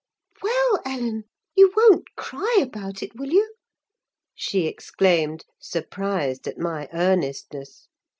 "Well, Ellen, you won't cry about it, will you?" she exclaimed, surprised at my earnestness.